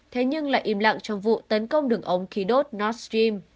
thế nhưng lại im lặng trong vụ tấn công đường ống khí đốt nord stream